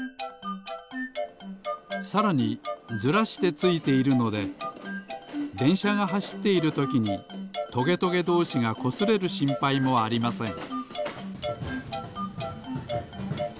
さらにずらしてついているのででんしゃがはしっているときにトゲトゲどうしがこすれるしんぱいもありません。